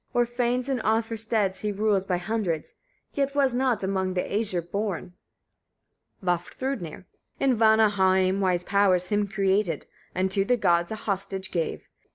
O'er fanes and offer steads he rules by hundreds, yet was not among the Æsir born. Vafthrûdnir. 39. In Vanaheim wise powers him created, and to the gods a hostage gave.